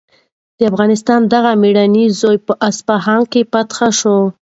د افغانستان دغه مېړنی زوی په اصفهان کې فاتح شو.